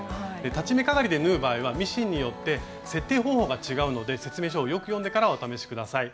裁ち目かがりで縫う場合はミシンによって設定方法が違うので説明書をよく読んでからお試し下さい。